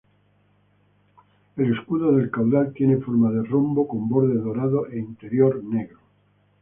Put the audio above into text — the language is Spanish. El escudo del Caudal tiene forma de rombo con borde dorado e interior negro.